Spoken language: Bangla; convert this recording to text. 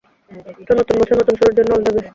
তো নতুন বছর নতুন শুরুর জন্য অল দা বেস্ট!